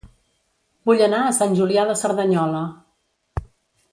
Vull anar a Sant Julià de Cerdanyola